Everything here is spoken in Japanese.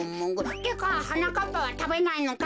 ってかはなかっぱはたべないのか？